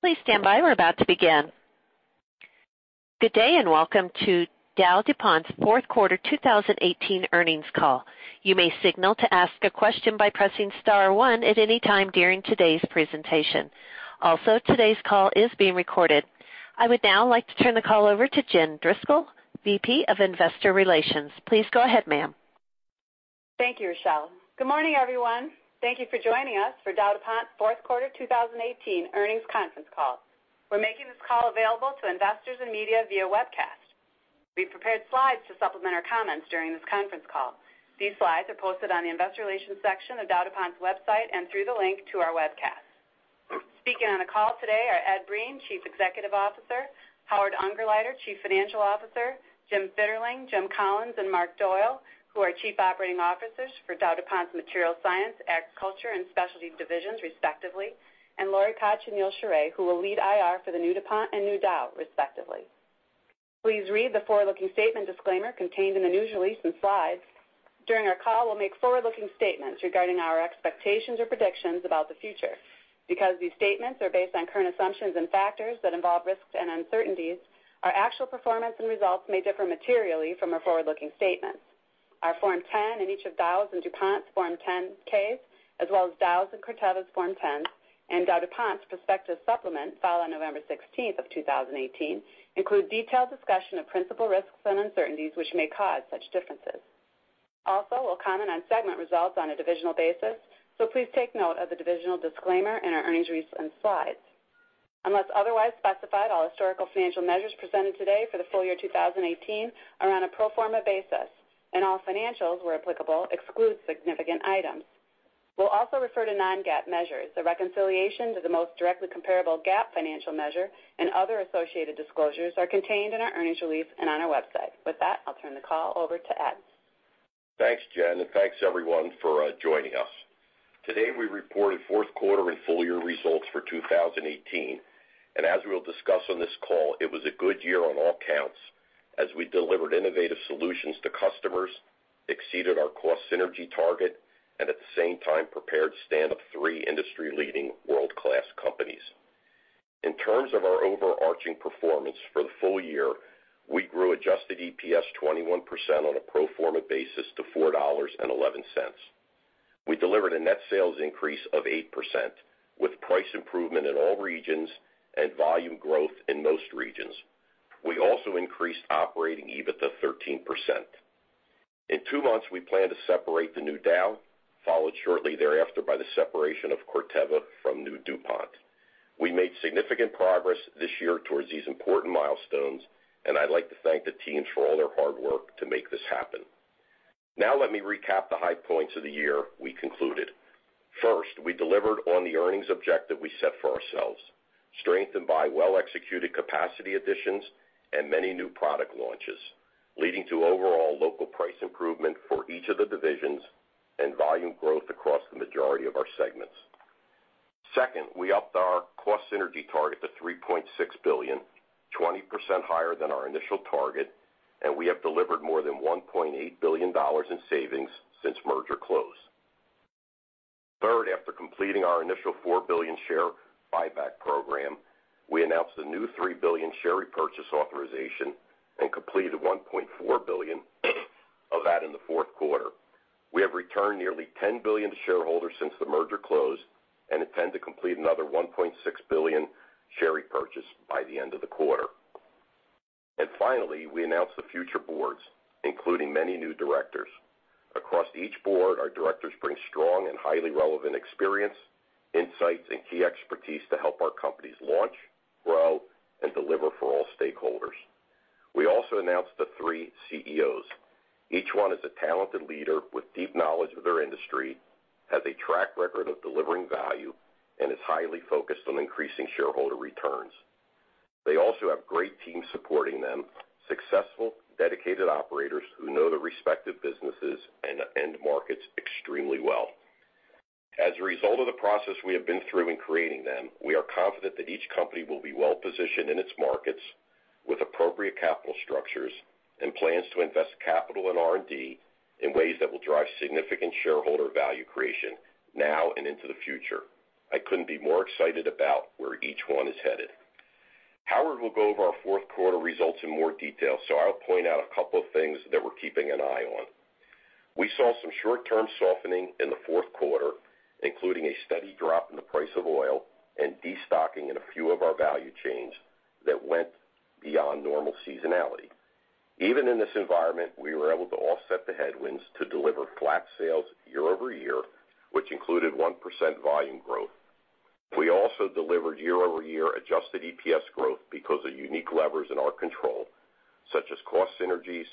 Please stand by. We're about to begin. Good day, welcome to DowDuPont's fourth quarter 2018 earnings call. You may signal to ask a question by pressing star one at any time during today's presentation. Also, today's call is being recorded. I would now like to turn the call over to Jen Driscoll, VP of Investor Relations. Please go ahead, ma'am. Thank you, Rochelle. Good morning, everyone. Thank you for joining us for DowDuPont's fourth quarter 2018 earnings conference call. We're making this call available to investors and media via webcast. We've prepared slides to supplement our comments during this conference call. These slides are posted on the investor relations section of DowDuPont's website and through the link to our webcast. Speaking on the call today are Ed Breen, Chief Executive Officer, Howard Ungerleider, Chief Financial Officer, Jim Fitterling, Jim Collins, and Marc Doyle, who are Chief Operating Officers for DowDuPont's Materials Science, Agriculture, and Specialty divisions, respectively, and Lori Koch and Neal Sheorey, who will lead IR for the New DuPont and New Dow, respectively. Please read the forward-looking statement disclaimer contained in the news release and slides. During our call, we'll make forward-looking statements regarding our expectations or predictions about the future. Because these statements are based on current assumptions and factors that involve risks and uncertainties, our actual performance and results may differ materially from our forward-looking statements. Our Form 10 in each of Dow's and DuPont's Form 10-Ks, as well as Dow's and Corteva's Form 10s and DowDuPont's prospective supplement filed on November 16th of 2018 include detailed discussion of principal risks and uncertainties which may cause such differences. Also, we'll comment on segment results on a divisional basis, please take note of the divisional disclaimer in our earnings release and slides. Unless otherwise specified, all historical financial measures presented today for the full-year 2018 are on a pro forma basis, and all financials, where applicable, exclude significant items. We'll also refer to non-GAAP measures. The reconciliation to the most directly comparable GAAP financial measure and other associated disclosures are contained in our earnings release and on our website. With that, I'll turn the call over to Ed. Thanks, Jen, and thanks, everyone, for joining us. Today, we reported fourth quarter and full-year results for 2018, and as we'll discuss on this call, it was a good year on all counts as we delivered innovative solutions to customers, exceeded our cost synergy target, and at the same time, prepared stand of three industry-leading world-class companies. In terms of our overarching performance for the full-year, we grew adjusted EPS 21% on a pro forma basis to $4.11. We delivered a net sales increase of 8% with price improvement in all regions and volume growth in most regions. We also increased operating EBITDA 13%. In two months, we plan to separate the New Dow, followed shortly thereafter by the separation of Corteva from New DuPont. We made significant progress this year towards these important milestones, and I'd like to thank the teams for all their hard work to make this happen. Now let me recap the high points of the year we concluded. First, we delivered on the earnings objective we set for ourselves, strengthened by well-executed capacity additions and many new product launches, leading to overall local price improvement for each of the divisions and volume growth across the majority of our segments. Second, we upped our cost synergy target to $3.6 billion, 20% higher than our initial target, and we have delivered more than $1.8 billion in savings since merger close. Third, after completing our initial $4 billion share buyback program, we announced a new $3 billion share repurchase authorization and completed $1.4 billion of that in the fourth quarter. We have returned nearly $10 billion to shareholders since the merger close and intend to complete another $1.6 billion share repurchase by the end of the quarter. Finally, we announced the future boards, including many new directors. Across each board, our directors bring strong and highly relevant experience, insights, and key expertise to help our companies launch, grow, and deliver for all stakeholders. We also announced the three CEOs. Each one is a talented leader with deep knowledge of their industry, has a track record of delivering value, and is highly focused on increasing shareholder returns. They also have great teams supporting them, successful, dedicated operators who know the respective businesses and end markets extremely well. As a result of the process we have been through in creating them, we are confident that each company will be well positioned in its markets with appropriate capital structures and plans to invest capital and R&D in ways that will drive significant shareholder value creation now and into the future. I couldn't be more excited about where each one is headed. Howard will go over our fourth quarter results in more detail. I'll point out a couple of things that we're keeping an eye on. We saw some short-term softening in the fourth quarter, including a steady drop in the price of oil and destocking in a few of our value chains that went beyond normal seasonality. Even in this environment, we were able to offset the headwinds to deliver flat sales year-over-year, which included 1% volume growth. We also delivered year-over-year adjusted EPS growth because of unique levers in our control, such as cost synergies,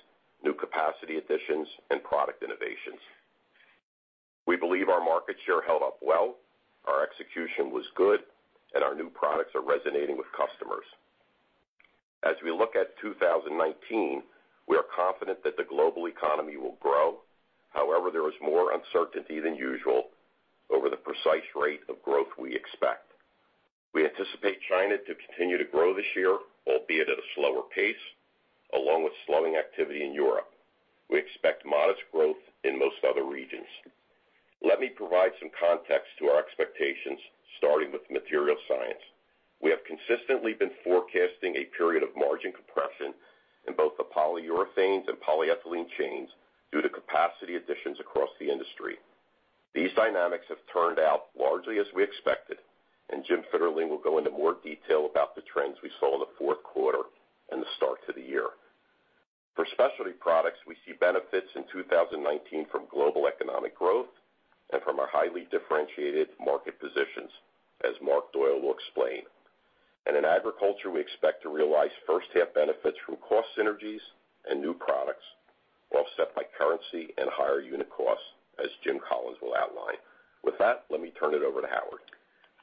new capacity additions, and product innovations. We believe our market share held up well, our execution was good, and our new products are resonating with customers. As we look at 2019, we are confident that the global economy will grow. However, there is more uncertainty than usual over the precise rate of growth we expect. We anticipate China to continue to grow this year, albeit at a slower pace, along with slowing activity in Europe. We expect modest growth in most other regions. Let me provide some context to our expectations, starting with Materials Science. We have consistently been forecasting a period of margin compression in both the polyurethanes and polyethylene chains due to capacity additions across the industry. These dynamics have turned out largely as we expected, Jim Fitterling will go into more detail about the trends we saw in the fourth quarter and the start to the year. For Specialty Products, we see benefits in 2019 from global economic growth and from our highly differentiated market positions, as Marc Doyle will explain. In Agriculture, we expect to realize first half benefits from cost synergies and new products, offset by currency and higher unit costs, as Jim Collins will outline. With that, let me turn it over to Howard.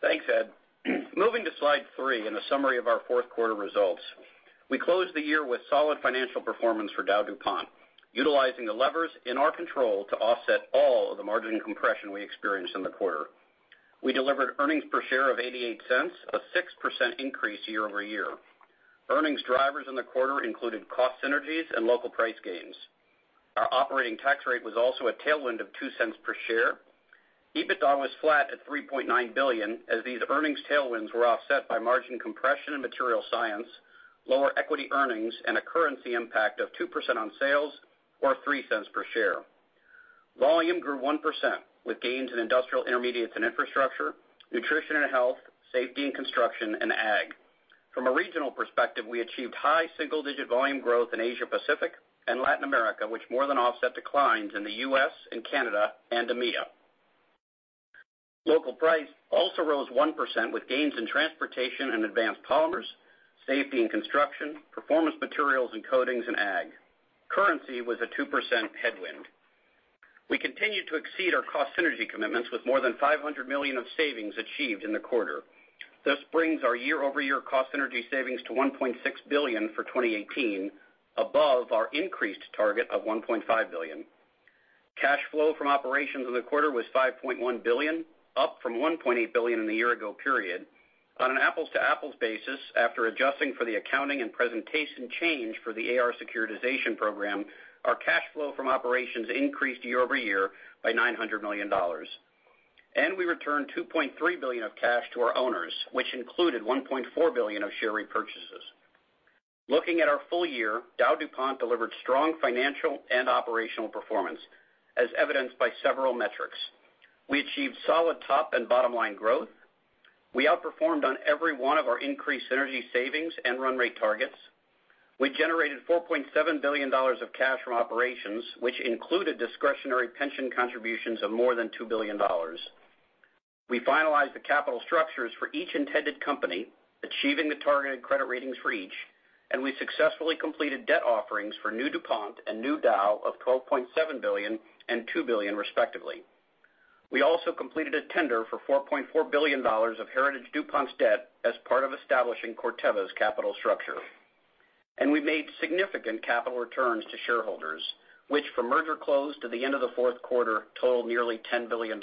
Thanks, Ed. Moving to slide three in the summary of our fourth quarter results. We closed the year with solid financial performance for DowDuPont, utilizing the levers in our control to offset all of the margin compression we experienced in the quarter. We delivered earnings per share of $0.88, a 6% increase year-over-year. Earnings drivers in the quarter included cost synergies and local price gains. Our operating tax rate was also a tailwind of $0.02 per share. EBITDA was flat at $3.9 billion, as these earnings tailwinds were offset by margin compression in Materials Science, lower equity earnings, and a currency impact of 2% on sales, or $0.03 per share. Volume grew 1%, with gains in Industrial Intermediates & Infrastructure, Nutrition & Health, Safety & Construction, and Ag. From a regional perspective, we achieved high single-digit volume growth in Asia Pacific and Latin America, which more than offset declines in the U.S. and Canada and EMEA. Local price also rose 1% with gains in Transportation & Advanced Polymers, Safety & Construction, Performance Materials & Coatings, and Ag. Currency was a 2% headwind. We continue to exceed our cost synergy commitments with more than $500 million of savings achieved in the quarter. This brings our year-over-year cost synergy savings to $1.6 billion for 2018, above our increased target of $1.5 billion. Cash flow from operations in the quarter was $5.1 billion, up from $1.8 billion in the year ago period. On an apples-to-apples basis, after adjusting for the accounting and presentation change for the AR securitization program, our cash flow from operations increased year-over-year by $900 million. We returned $2.3 billion of cash to our owners, which included $1.4 billion of share repurchases. Looking at our full-year, DowDuPont delivered strong financial and operational performance, as evidenced by several metrics. We achieved solid top and bottom-line growth. We outperformed on every one of our increased energy savings and run rate targets. We generated $4.7 billion of cash from operations, which included discretionary pension contributions of more than $2 billion. We finalized the capital structures for each intended company, achieving the targeted credit ratings for each. We successfully completed debt offerings for New DuPont and New Dow of $12.7 billion and $2 billion respectively. We also completed a tender for $4.4 billion of heritage DuPont's debt as part of establishing Corteva's capital structure. We made significant capital returns to shareholders, which from merger close to the end of the fourth quarter totaled nearly $10 billion.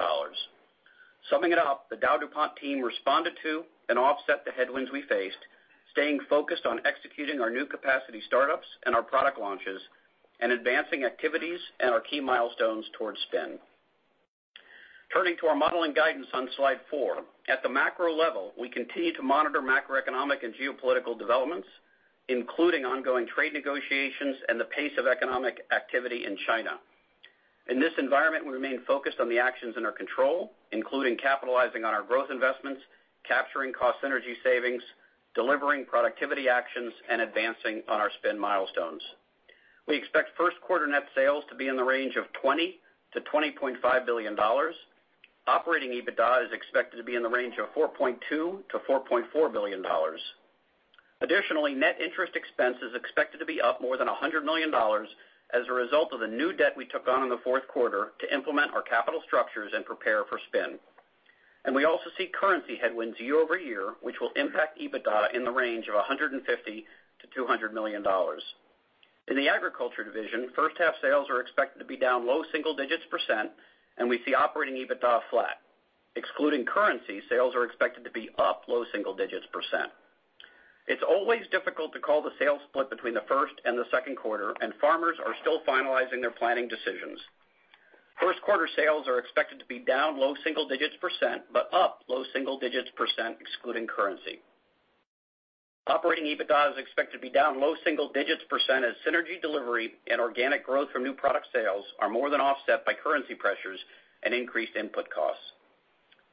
Summing it up, the DowDuPont team responded to and offset the headwinds we faced, staying focused on executing our new capacity startups and our product launches and advancing activities and our key milestones towards spin. Turning to our model and guidance on slide four. At the macro level, we continue to monitor macroeconomic and geopolitical developments, including ongoing trade negotiations and the pace of economic activity in China. In this environment, we remain focused on the actions in our control, including capitalizing on our growth investments, capturing cost synergy savings, delivering productivity actions, and advancing on our spin milestones. We expect first quarter net sales to be in the range of $20 billion-$20.5 billion. Operating EBITDA is expected to be in the range of $4.2 billion-$4.4 billion. Additionally, net interest expense is expected to be up more than $100 million as a result of the new debt we took on in the fourth quarter to implement our capital structures and prepare for spin. We also see currency headwinds year-over-year, which will impact EBITDA in the range of $150 million-$200 million. In the agriculture division, first half sales are expected to be down low single digits percent, and we see operating EBITDA flat. Excluding currency, sales are expected to be up low single digits percent. It's always difficult to call the sales split between the first and the second quarter, and farmers are still finalizing their planning decisions. First quarter sales are expected to be down low single digits percent, but up low single digits percent excluding currency. Operating EBITDA is expected to be down low single digits percent as synergy delivery and organic growth from new product sales are more than offset by currency pressures and increased input costs.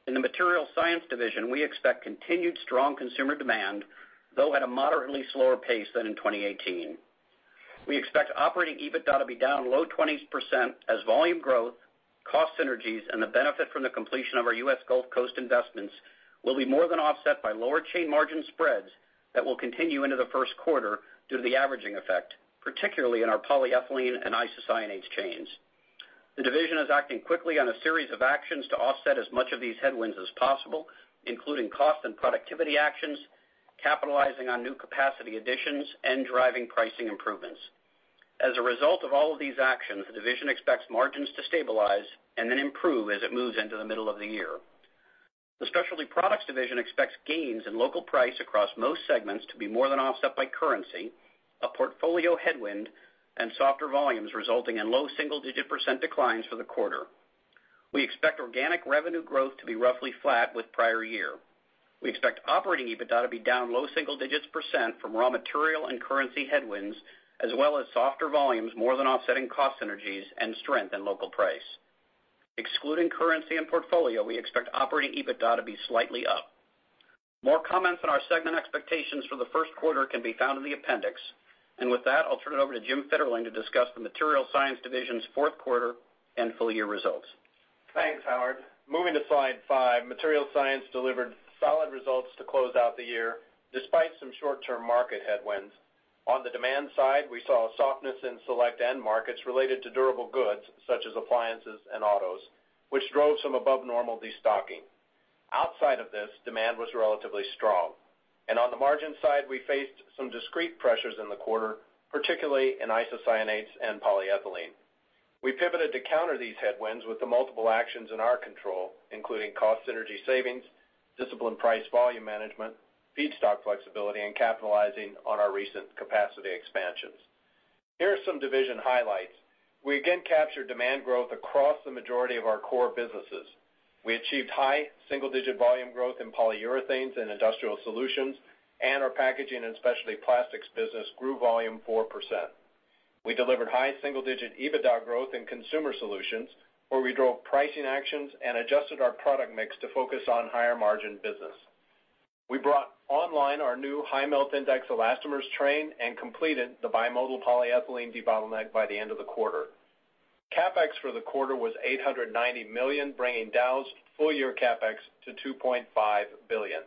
In the material science division, we expect continued strong consumer demand, though at a moderately slower pace than in 2018. We expect operating EBITDA to be down low 20s% as volume growth, cost synergies, and the benefit from the completion of our U.S. Gulf Coast investments will be more than offset by lower chain margin spreads that will continue into the first quarter due to the averaging effect, particularly in our polyethylene and isocyanates chains. The division is acting quickly on a series of actions to offset as much of these headwinds as possible, including cost and productivity actions, capitalizing on new capacity additions, and driving pricing improvements. As a result of all of these actions, the division expects margins to stabilize and then improve as it moves into the middle of the year. The Specialty Products division expects gains in local price across most segments to be more than offset by currency, a portfolio headwind, and softer volumes resulting in low single-digit percent declines for the quarter. We expect organic revenue growth to be roughly flat with prior year. We expect operating EBITDA to be down low single digits percent from raw material and currency headwinds, as well as softer volumes more than offsetting cost synergies and strength in local price. Excluding currency and portfolio, we expect operating EBITDA to be slightly up. More comments on our segment expectations for the first quarter can be found in the appendix. With that, I'll turn it over to Jim Fitterling to discuss the Material Science division's fourth quarter and full-year results. Thanks, Howard. Moving to slide five, Material Science delivered solid results to close out the year, despite some short-term market headwinds. On the demand side, we saw a softness in select end markets related to durable goods such as appliances and autos, which drove some above-normal destocking. Outside of this, demand was relatively strong. On the margin side, we faced some discrete pressures in the quarter, particularly in isocyanates and polyethylene. We pivoted to counter these headwinds with the multiple actions in our control, including cost synergy savings, disciplined price volume management, feedstock flexibility, and capitalizing on our recent capacity expansions. Here are some division highlights. We again captured demand growth across the majority of our core businesses. We achieved high single-digit volume growth in polyurethanes and industrial solutions, and our packaging and specialty plastics business grew volume 4%. We delivered high single-digit EBITDA growth in consumer solutions, where we drove pricing actions and adjusted our product mix to focus on higher-margin business. We brought online our new high melt index elastomers train and completed the bimodal polyethylene debottleneck by the end of the quarter. CapEx for the quarter was $890 million, bringing Dow's full-year CapEx to $2.5 billion.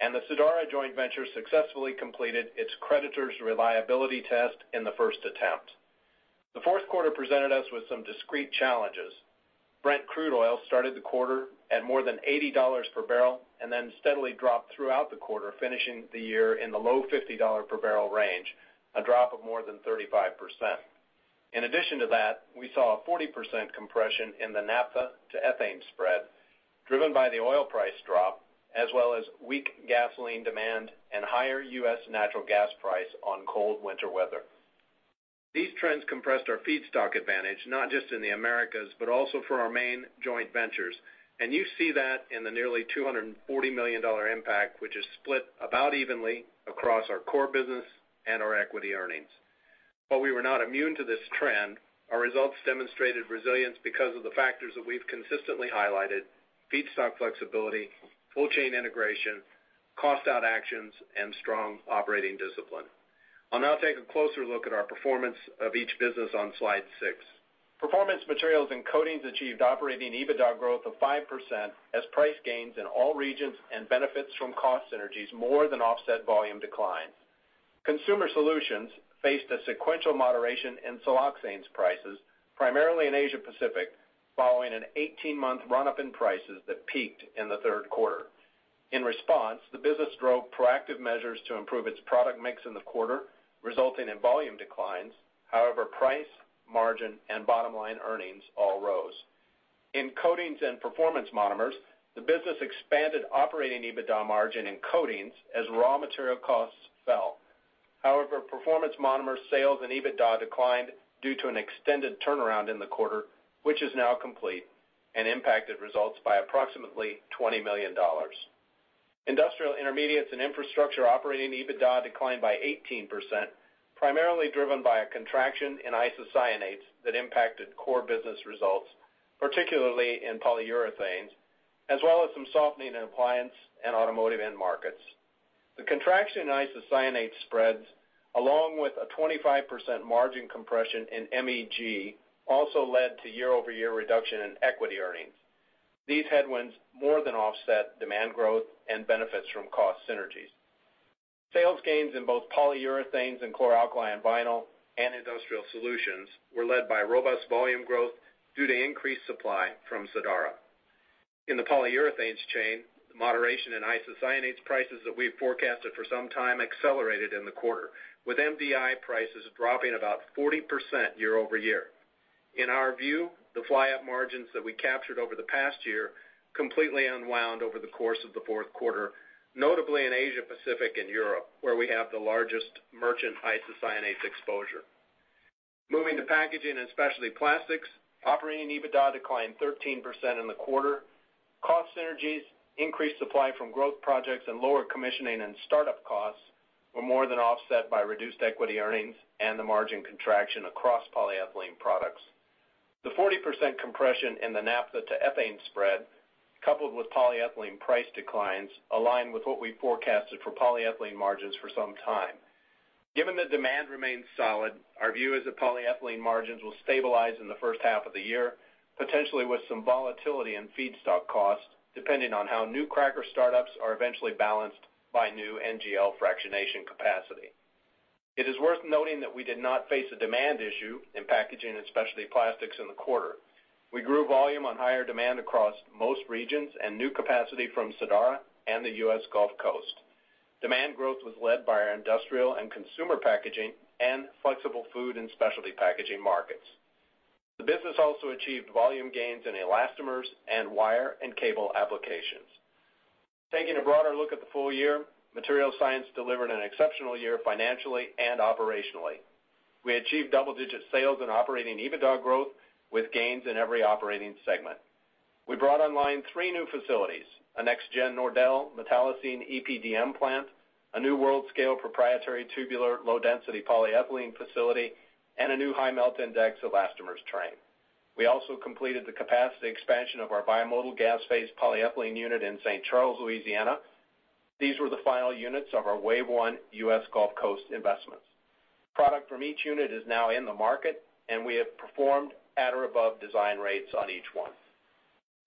The Sadara joint venture successfully completed its creditors' reliability test in the first attempt. The fourth quarter presented us with some discrete challenges. Brent crude oil started the quarter at more than $80 per bbl and then steadily dropped throughout the quarter, finishing the year in the low $50 per bbl range, a drop of more than 35%. In addition to that, we saw a 40% compression in the naphtha to ethane spread, driven by the oil price drop, as well as weak gasoline demand and higher U.S. natural gas price on cold winter weather. These trends compressed our feedstock advantage, not just in the Americas, but also for our main joint ventures. You see that in the nearly $240 million impact, which is split about evenly across our core business and our equity earnings. While we were not immune to this trend, our results demonstrated resilience because of the factors that we've consistently highlighted, feedstock flexibility, full chain integration, cost-out actions, and strong operating discipline. I'll now take a closer look at our performance of each business on slide six. Performance Materials and Coatings achieved operating EBITDA growth of 5% as price gains in all regions and benefits from cost synergies more than offset volume decline. Consumer Solutions faced a sequential moderation in siloxanes prices, primarily in Asia Pacific, following an 18-month run-up in prices that peaked in the third quarter. In response, the business drove proactive measures to improve its product mix in the quarter, resulting in volume declines. However, price, margin, and bottom-line earnings all rose. In Coatings and Performance Monomers, the business expanded operating EBITDA margin in Coatings as raw material costs fell. However, Performance Monomers sales and EBITDA declined due to an extended turnaround in the quarter, which is now complete and impacted results by approximately $20 million. Industrial Intermediates and Infrastructure operating EBITDA declined by 18%, primarily driven by a contraction in isocyanates that impacted core business results, particularly in polyurethanes, as well as some softening in appliance and automotive end markets. The contraction in isocyanate spreads, along with a 25% margin compression in MEG, also led to year-over-year reduction in equity earnings. These headwinds more than offset demand growth and benefits from cost synergies. Sales gains in both polyurethanes and chlor-alkali and vinyl and industrial solutions were led by robust volume growth due to increased supply from Sadara. In the polyurethanes chain, the moderation in isocyanates prices that we've forecasted for some time accelerated in the quarter, with MDI prices dropping about 40% year-over-year. In our view, the fly up margins that we captured over the past year completely unwound over the course of the fourth quarter, notably in Asia Pacific and Europe, where we have the largest merchant isocyanates exposure. Moving to Packaging and Specialty Plastics, operating EBITDA declined 13% in the quarter. Cost synergies, increased supply from growth projects, and lower commissioning and startup costs were more than offset by reduced equity earnings and the margin contraction across polyethylene products. The 40% compression in the naphtha to ethane spread, coupled with polyethylene price declines, align with what we forecasted for polyethylene margins for some time. Given that demand remains solid, our view is that polyethylene margins will stabilize in the first half of the year, potentially with some volatility in feedstock costs, depending on how new cracker startups are eventually balanced by new NGL fractionation capacity. It is worth noting that we did not face a demand issue in Packaging and Specialty Plastics in the quarter. We grew volume on higher demand across most regions and new capacity from Sadara and the U.S. Gulf Coast. Demand growth was led by our industrial and consumer packaging and flexible food and specialty packaging markets. The business also achieved volume gains in elastomers and wire and cable applications. Taking a broader look at the full-year, Materials Science delivered an exceptional year financially and operationally. We achieved double-digit sales and operating EBITDA growth with gains in every operating segment. We brought online three new facilities, a next gen NORDEL metallocene EPDM plant, a new world scale proprietary tubular low-density polyethylene facility, and a new high melt index elastomers train. We also completed the capacity expansion of our bi-modal gas phase polyethylene unit in St. Charles, Louisiana. These were the final units of our wave one U.S. Gulf Coast investments. Product from each unit is now in the market, and we have performed at or above design rates on each one.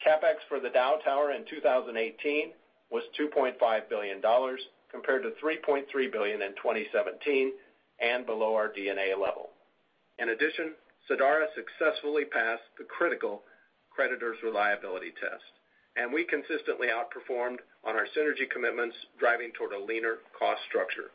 CapEx for the Dow tower in 2018 was $2.5 billion, compared to $3.3 billion in 2017 and below our D&A level. In addition, Sadara successfully passed the critical creditors' reliability test. We consistently outperformed on our synergy commitments driving toward a leaner cost structure.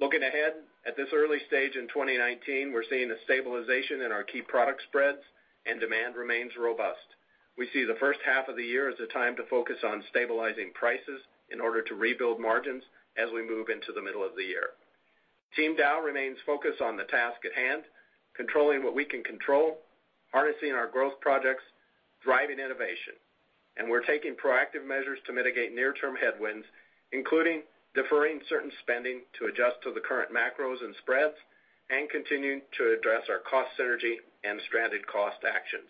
Looking ahead, at this early stage in 2019, we're seeing a stabilization in our key product spreads and demand remains robust. We see the first half of the year as a time to focus on stabilizing prices in order to rebuild margins as we move into the middle of the year. Team Dow remains focused on the task at hand, controlling what we can control, harnessing our growth projects, driving innovation. We're taking proactive measures to mitigate near-term headwinds, including deferring certain spending to adjust to the current macros and spreads, and continuing to address our cost synergy and stranded cost actions.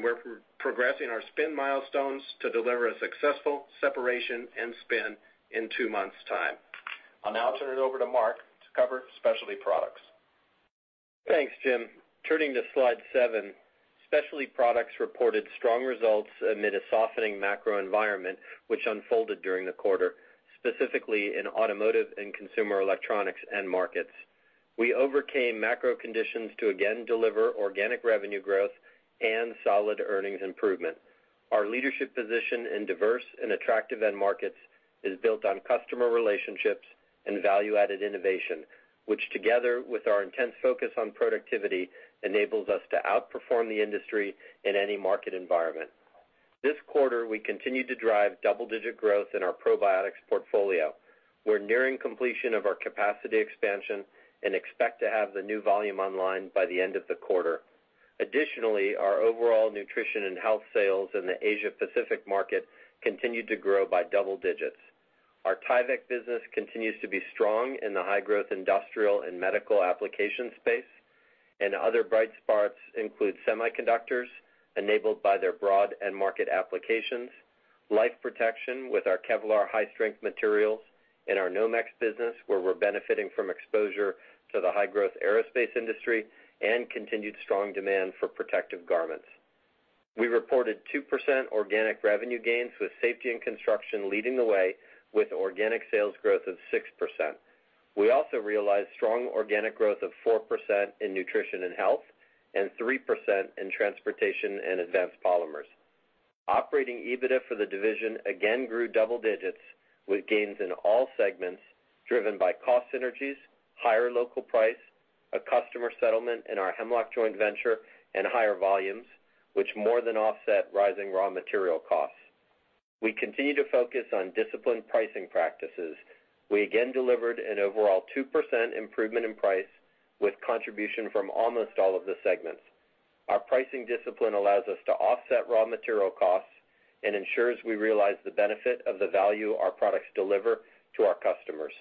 We're progressing our spin milestones to deliver a successful separation and spin in two months' time. I'll now turn it over to Marc to cover Specialty Products. Thanks, Jim. Turning to slide seven. Specialty Products reported strong results amid a softening macro environment, which unfolded during the quarter, specifically in automotive and consumer electronics end markets. We overcame macro conditions to again deliver organic revenue growth and solid earnings improvement. Our leadership position in diverse and attractive end markets is built on customer relationships and value-added innovation, which together with our intense focus on productivity, enables us to outperform the industry in any market environment. This quarter, we continued to drive double-digit growth in our probiotics portfolio. We're nearing completion of our capacity expansion and expect to have the new volume online by the end of the quarter. Additionally, our overall Nutrition & Health sales in the Asia Pacific market continued to grow by double digits. Our Tyvek business continues to be strong in the high-growth industrial and medical application space. Other bright spots include semiconductors enabled by their broad end market applications, life protection with our Kevlar high-strength materials, and our Nomex business, where we're benefiting from exposure to the high-growth aerospace industry and continued strong demand for protective garments. We reported 2% organic revenue gains, with Safety & Construction leading the way with organic sales growth of 6%. We also realized strong organic growth of 4% in Nutrition & Health and 3% in Transportation & Advanced Polymers. Operating EBITDA for the division again grew double digits with gains in all segments driven by cost synergies, higher local price, a customer settlement in our Hemlock joint venture. Higher volumes more than offset rising raw material costs. We continue to focus on disciplined pricing practices. We again delivered an overall 2% improvement in price with contribution from almost all of the segments. Our pricing discipline allows us to offset raw material costs and ensures we realize the benefit of the value our products deliver to our customers.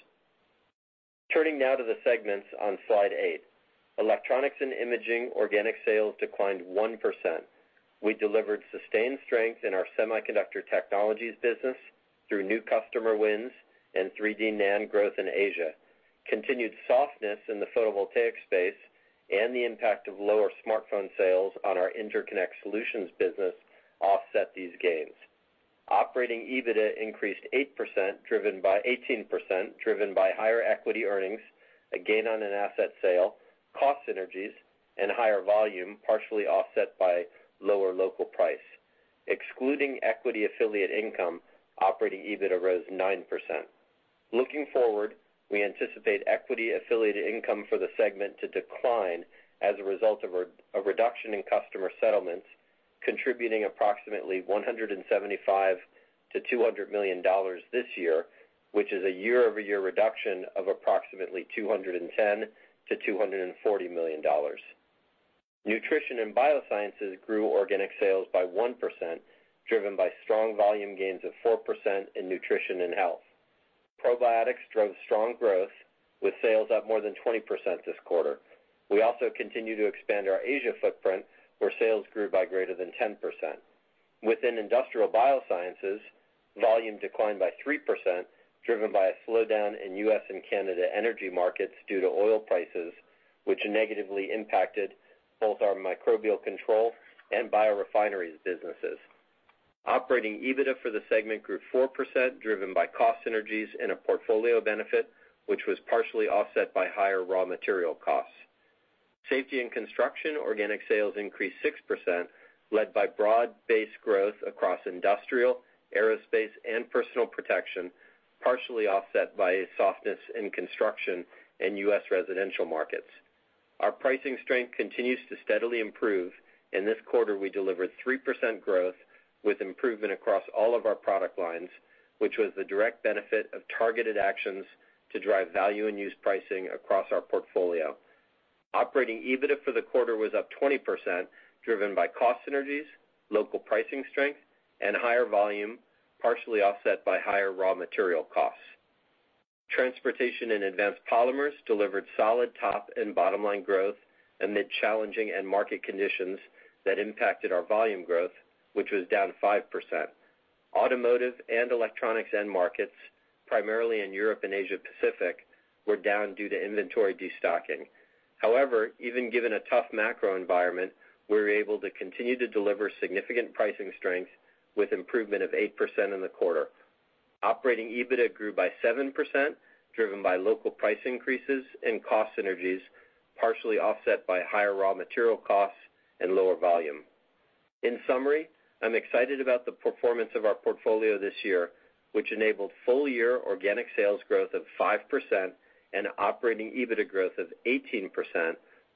Turning now to the segments on slide eight. Electronics & Imaging organic sales declined 1%. We delivered sustained strength in our semiconductor technologies business through new customer wins and 3D NAND growth in Asia. The impact of lower smartphone sales on our interconnect solutions business offset these gains. Operating EBITDA increased 18%, driven by higher equity earnings, a gain on an asset sale, cost synergies. Higher volume was partially offset by lower local price. Excluding equity affiliate income, operating EBITDA rose 9%. Looking forward, we anticipate equity affiliate income for the segment to decline as a result of a reduction in customer settlements, contributing approximately $175 million-$200 million this year, which is a year-over-year reduction of approximately $210 million-$240 million. Nutrition & Biosciences grew organic sales by 1%, driven by strong volume gains of 4% in Nutrition & Health. Probiotics drove strong growth, with sales up more than 20% this quarter. We also continue to expand our Asia footprint, where sales grew by greater than 10%. Within Industrial Biosciences, volume declined by 3%, driven by a slowdown in U.S. and Canada energy markets due to oil prices, which negatively impacted both our microbial control and biorefineries businesses. Operating EBITDA for the segment grew 4%, driven by cost synergies. A portfolio benefit was partially offset by higher raw material costs. Safety & Construction organic sales increased 6%, led by broad-based growth across industrial, aerospace, and personal protection, partially offset by softness in construction in U.S. residential markets. Our pricing strength continues to steadily improve. In this quarter, we delivered 3% growth with improvement across all of our product lines, which was the direct benefit of targeted actions to drive value and use pricing across our portfolio. Operating EBITDA for the quarter was up 20%, driven by cost synergies, local pricing strength. Higher volume was partially offset by higher raw material costs. Transportation & Advanced Polymers delivered solid top and bottom-line growth amid challenging end market conditions that impacted our volume growth, which was down 5%. Automotive and electronics end markets, primarily in Europe and Asia Pacific, were down due to inventory destocking. However, even given a tough macro environment, we were able to continue to deliver significant pricing strength with improvement of 8% in the quarter. Operating EBITDA grew by 7%, driven by local price increases and cost synergies, partially offset by higher raw material costs and lower volume. In summary, I'm excited about the performance of our portfolio this year, which enabled full-year organic sales growth of 5% and operating EBITDA growth of 18%,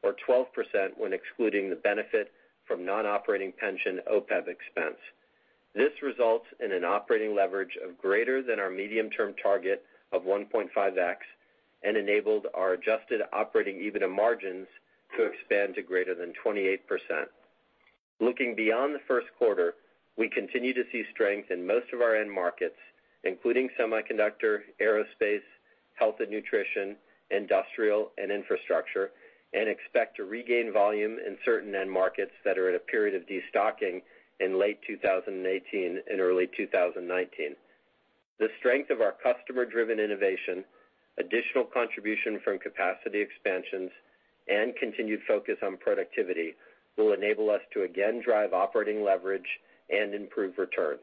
or 12% when excluding the benefit from non-operating pension OPEB expense. This results in an operating leverage of greater than our medium-term target of 1.5x and enabled our adjusted operating EBITDA margins to expand to greater than 28%. Looking beyond the first quarter, we continue to see strength in most of our end markets, including semiconductor, aerospace, health and nutrition, industrial, and infrastructure, and expect to regain volume in certain end markets that are at a period of destocking in late 2018 and early 2019. The strength of our customer-driven innovation, additional contribution from capacity expansions, and continued focus on productivity will enable us to again drive operating leverage and improve returns.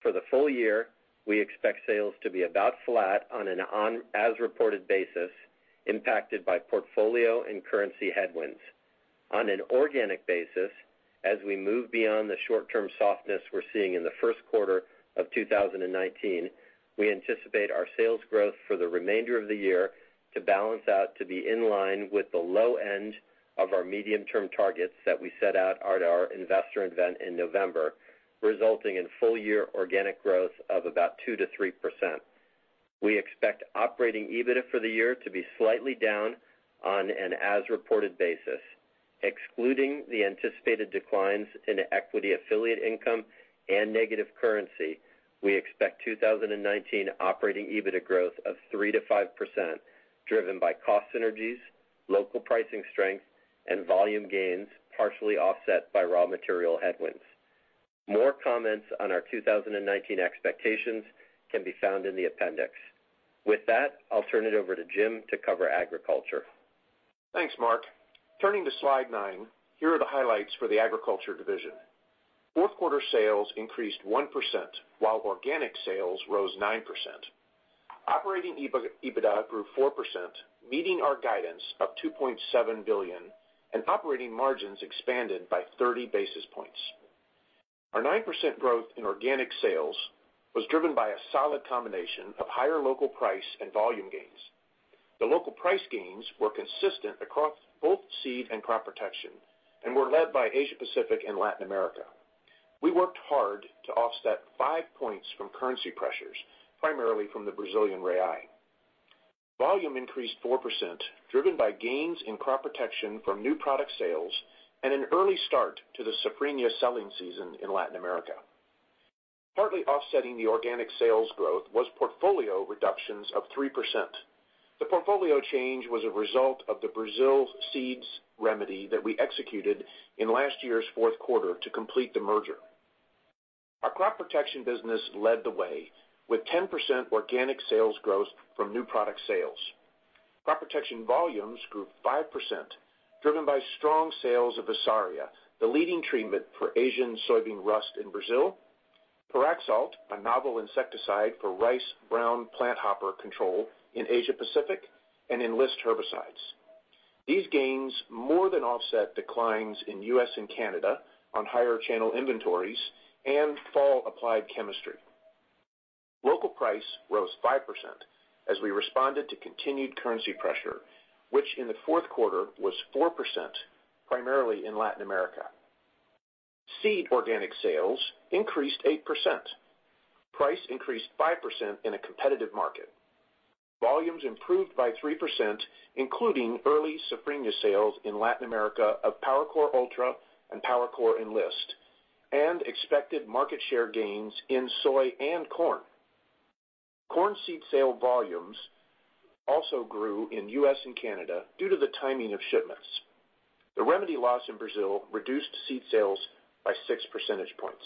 For the full-year, we expect sales to be about flat on an as-reported basis, impacted by portfolio and currency headwinds. On an organic basis, as we move beyond the short-term softness we're seeing in the first quarter of 2019, we anticipate our sales growth for the remainder of the year to balance out to be in line with the low end of our medium-term targets that we set out at our investor event in November, resulting in full-year organic growth of about 2%-3%. We expect operating EBITDA for the year to be slightly down on an as-reported basis. Excluding the anticipated declines in equity affiliate income and negative currency, we expect 2019 operating EBITDA growth of 3%-5%, driven by cost synergies, local pricing strength, and volume gains, partially offset by raw material headwinds. More comments on our 2019 expectations can be found in the appendix. With that, I'll turn it over to Jim to cover agriculture. Thanks, Marc. Turning to slide nine, here are the highlights for the agriculture division. Fourth quarter sales increased 1%, while organic sales rose 9%. Operating EBITDA grew 4%, meeting our guidance of $2.7 billion, and operating margins expanded by 30 basis points. Our 9% growth in organic sales was driven by a solid combination of higher local price and volume gains. The local price gains were consistent across both seed and crop protection and were led by Asia Pacific and Latin America. We worked hard to offset 5 points from currency pressures, primarily from the Brazilian real. Volume increased 4%, driven by gains in crop protection from new product sales and an early start to the Safrinha selling season in Latin America. Partly offsetting the organic sales growth was portfolio reductions of 3%. The portfolio change was a result of the Brazil seeds remedy that we executed in last year's fourth quarter to complete the merger. Our crop protection business led the way with 10% organic sales growth from new product sales. Crop protection volumes grew 5%, driven by strong sales of Vessarya, the leading treatment for Asian soybean rust in Brazil, Pyraxalt, a novel insecticide for rice brown planthopper control in Asia Pacific, and Enlist herbicides. These gains more than offset declines in U.S. and Canada on higher channel inventories and fall-applied chemistry. Local price rose 5% as we responded to continued currency pressure, which in the fourth quarter was 4%, primarily in Latin America. Seed organic sales increased 8%. Price increased 5% in a competitive market. Volumes improved by 3%, including early Safrinha sales in Latin America of PowerCore Ultra and PowerCore Enlist, and expected market share gains in soy and corn. Corn seed sale volumes also grew in U.S. and Canada due to the timing of shipments. The remedy loss in Brazil reduced seed sales by 6 percentage points.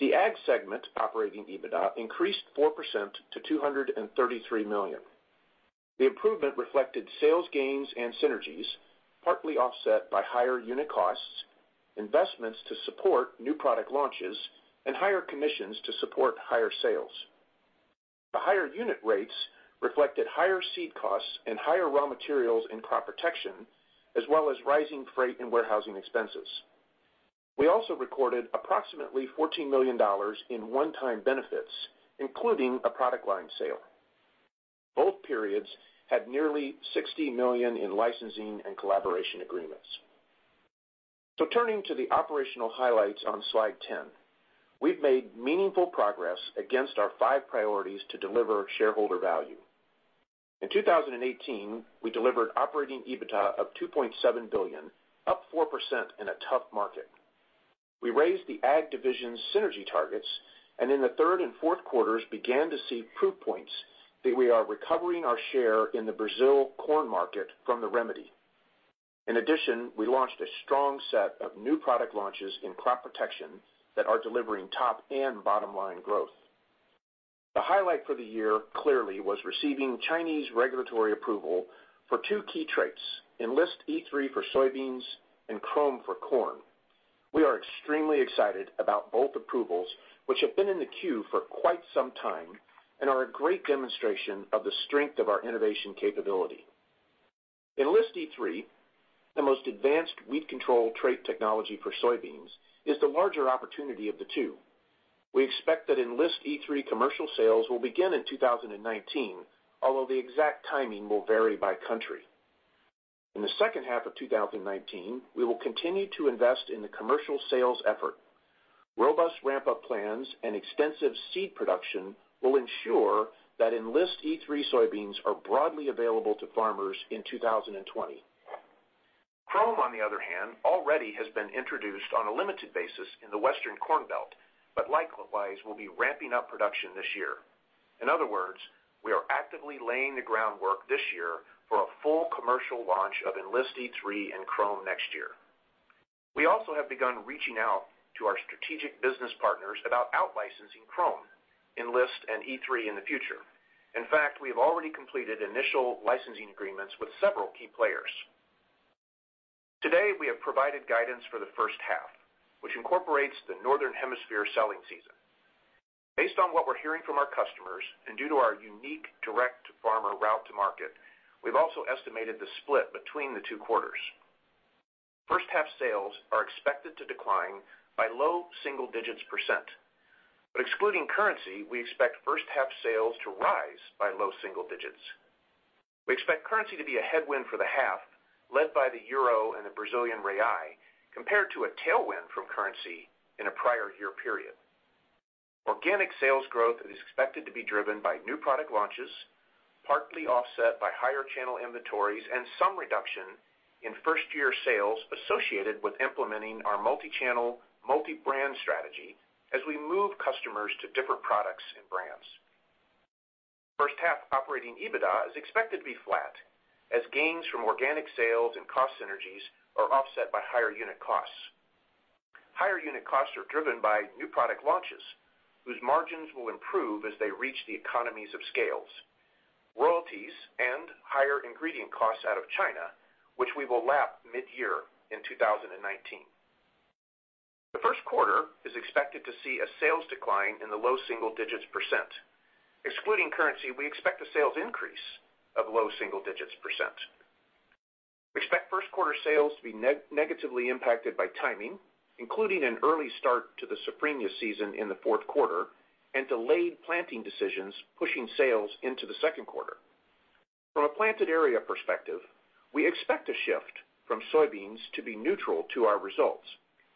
The Ag segment operating EBITDA increased 4% to $233 million. The improvement reflected sales gains and synergies, partly offset by higher unit costs, investments to support new product launches, and higher commissions to support higher sales. The higher unit rates reflected higher seed costs and higher raw materials and crop protection, as well as rising freight and warehousing expenses. We also recorded approximately $14 million in one-time benefits, including a product line sale. Both periods had nearly $60 million in licensing and collaboration agreements. Turning to the operational highlights on slide 10. We've made meaningful progress against our five priorities to deliver shareholder value. In 2018, we delivered operating EBITDA of $2.7 billion, up 4% in a tough market. We raised the Ag division synergy targets, and in the third and fourth quarters began to see proof points that we are recovering our share in the Brazil corn market from the remedy. In addition, we launched a strong set of new product launches in crop protection that are delivering top and bottom-line growth. The highlight for the year clearly was receiving Chinese regulatory approval for two key traits, Enlist E3 for soybeans and Qrome for corn. We are extremely excited about both approvals, which have been in the queue for quite some time and are a great demonstration of the strength of our innovation capability. Enlist E3, the most advanced weed control trait technology for soybeans, is the larger opportunity of the two. We expect that Enlist E3 commercial sales will begin in 2019, although the exact timing will vary by country. In the second half of 2019, we will continue to invest in the commercial sales effort. Robust ramp-up plans and extensive seed production will ensure that Enlist E3 soybeans are broadly available to farmers in 2020. Qrome, on the other hand, already has been introduced on a limited basis in the Western Corn Belt, but likewise will be ramping up production this year. In other words, we are actively laying the groundwork this year for a full commercial launch of Enlist E3 and Qrome next year. We also have begun reaching out to our strategic business partners about out-licensing Qrome, Enlist and E3 in the future. In fact, we have already completed initial licensing agreements with several key players. Today, we have provided guidance for the first half, which incorporates the Northern Hemisphere selling season. Based on what we're hearing from our customers and due to our unique direct-to-farmer route to market, we've also estimated the split between the two quarters. First half sales are expected to decline by low single digits percent. Excluding currency, we expect first half sales to rise by low single digits. We expect currency to be a headwind for the half, led by the EUR and the Brazilian real, compared to a tailwind from currency in a prior year period. Organic sales growth is expected to be driven by new product launches, partly offset by higher channel inventories and some reduction in first-year sales associated with implementing our multi-channel, multi-brand strategy as we move customers to different products and brands. First half operating EBITDA is expected to be flat as gains from organic sales and cost synergies are offset by higher unit costs. Higher unit costs are driven by new product launches, whose margins will improve as they reach the economies of scales. Royalties and higher ingredient costs out of China, which we will lap mid-year in 2019. The first quarter is expected to see a sales decline in the low single digits percent. Excluding currency, we expect a sales increase of low single digits percent. We expect first quarter sales to be negatively impacted by timing, including an early start to the safrinha season in the fourth quarter and delayed planting decisions pushing sales into the second quarter. From a planted area perspective, we expect a shift from soybeans to be neutral to our results.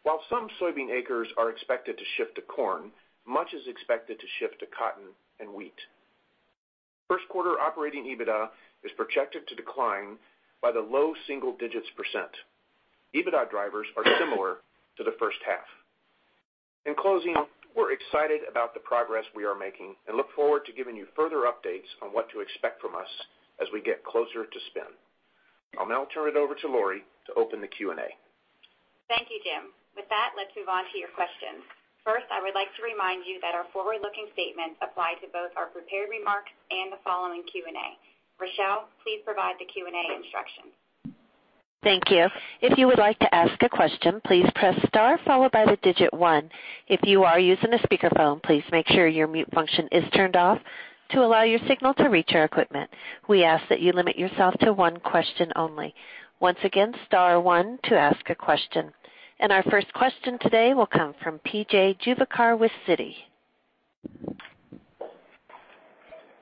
While some soybean acres are expected to shift to corn, much is expected to shift to cotton and wheat. First quarter operating EBITDA is projected to decline by the low single digits percent. EBITDA drivers are similar to the first half. In closing, we're excited about the progress we are making and look forward to giving you further updates on what to expect from us as we get closer to spin. I'll now turn it over to Lori to open the Q&A. Thank you, Jim. With that, let's move on to your questions. First, I would like to remind you that our forward-looking statements apply to both our prepared remarks and the following Q&A. Rochelle, please provide the Q&A instructions. Thank you. If you would like to ask a question, please press star followed by the digit one. If you are using a speakerphone, please make sure your mute function is turned off to allow your signal to reach our equipment. We ask that you limit yourself to one question only. Once again, star one to ask a question. Our first question today will come from PJ Juvekar with Citi.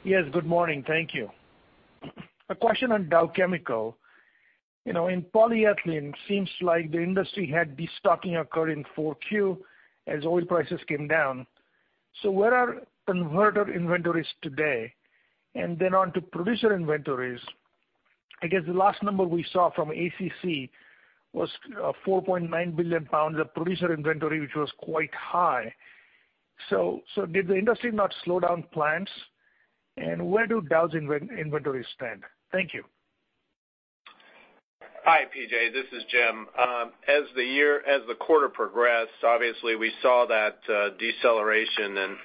Yes, good morning. Thank you. A question on Dow Chemical. In polyethylene, seems like the industry had destocking occur in 4Q as oil prices came down. Where are converter inventories today? On to producer inventories, I guess the last number we saw from ACC was 4.9 billion pounds of producer inventory, which was quite high. Did the industry not slow down plants? Where do Dow's inventories stand? Thank you. Hi, PJ. This is Jim. As the quarter progressed, obviously, we saw that deceleration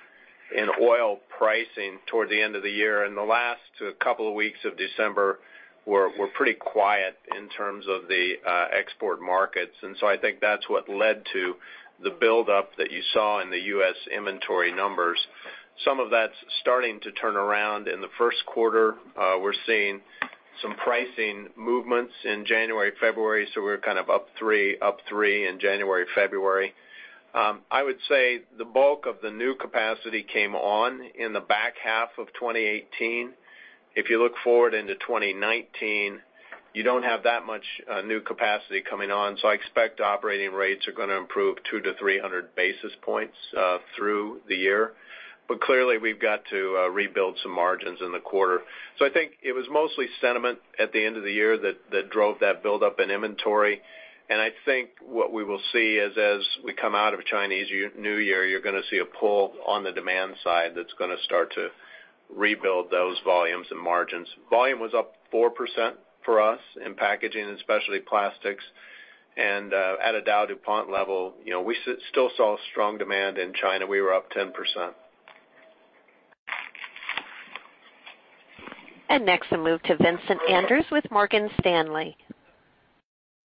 in oil pricing toward the end of the year. The last couple of weeks of December were pretty quiet in terms of the export markets. I think that's what led to the buildup that you saw in the U.S. inventory numbers. Some of that's starting to turn around. In the first quarter, we're seeing some pricing movements in January, February, so we're up three in January, February. I would say the bulk of the new capacity came on in the back half of 2018. If you look forward into 2019, you don't have that much new capacity coming on. I expect operating rates are going to improve 200 basis points-300 basis points through the year. Clearly, we've got to rebuild some margins in the quarter. I think it was mostly sentiment at the end of the year that drove that buildup in inventory. I think what we will see is as we come out of Chinese New Year, you're going to see a pull on the demand side that's going to start to rebuild those volumes and margins. Volume was up 4% for us in packaging, especially plastics. At a DowDuPont level, we still saw strong demand in China. We were up 10%. Next, we'll move to Vincent Andrews with Morgan Stanley.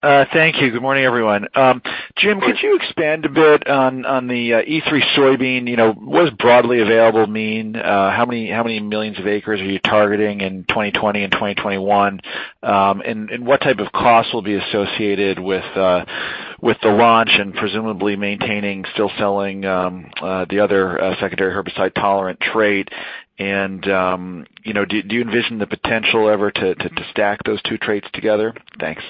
Thank you. Good morning, everyone. Good morning. Jim, could you expand a bit on the E3 soybean? What does broadly available mean? How many millions of acres are you targeting in 2020 and 2021? What type of costs will be associated with the launch and presumably maintaining, still selling the other secondary herbicide-tolerant trait? Do you envision the potential ever to stack those two traits together? Thanks.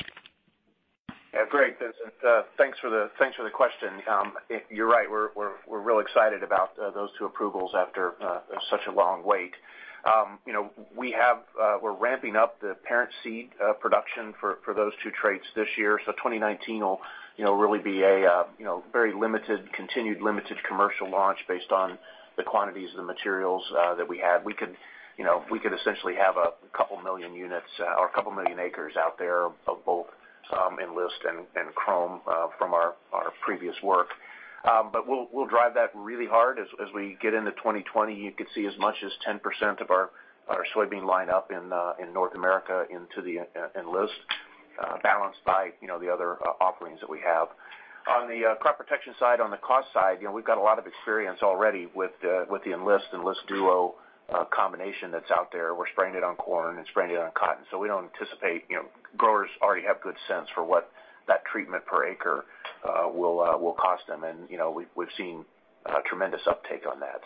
Yeah, great, Vincent. Thanks for the question. You're right. We're real excited about those two approvals after such a long wait. We're ramping up the parent seed production for those two traits this year. 2019 will really be a very continued limited commercial launch based on the quantities of the materials that we have. We could essentially have a couple million units or a couple million acres out there of both Enlist and Qrome from our previous work. We'll drive that really hard as we get into 2020. You could see as much as 10% of our soybean line up in North America into the Enlist, balanced by the other offerings that we have. On the crop protection side, on the cost side, we've got a lot of experience already with the Enlist Duo combination that's out there. We're spraying it on corn and spraying it on cotton. Growers already have good sense for what that treatment per acre will cost them, and we've seen a tremendous uptake on that.